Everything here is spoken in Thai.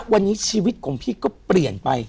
วันนี้ชีวิตของพี่ก็เปลี่ยนไป